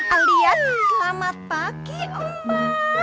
alias selamat pagi mba